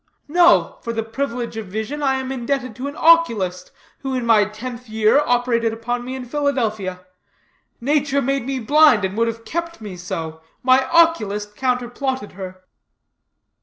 "No! for the privilege of vision I am indebted to an oculist, who in my tenth year operated upon me in Philadelphia. Nature made me blind and would have kept me so. My oculist counterplotted her."